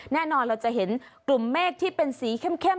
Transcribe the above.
เราจะเห็นกลุ่มเมฆที่เป็นสีเข้ม